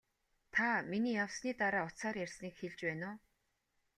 Та миний явсны дараа утсаар ярьсныг хэлж байна уу?